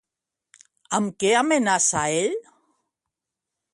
Amb què amenaça ell?